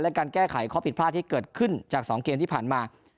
และการแก้ไขข้อผิดพลาดที่เกิดขึ้นจาก๒เกมที่ผ่านมา